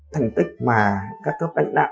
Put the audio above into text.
thành tích mà các cấp cánh đạo